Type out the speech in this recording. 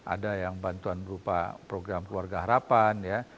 ada yang bantuan berupa program keluarga harapan ya